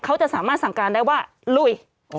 เขาจะสามารถสั่งการได้ว่าลุย